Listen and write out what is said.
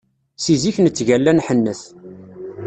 Si zik nettgalla nḥennet.